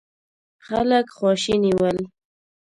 خلک خواشيني ول.